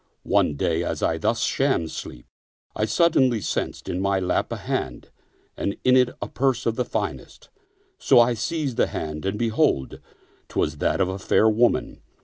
One day as I thus shammed sleep, I suddenly sensed in my lap a hand, and in it a purse of the finest ; so I seized the hand and behold, 'twas that of a fair woman.